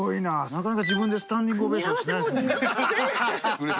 なかなか自分でスタンディングオベーションしないですもんね。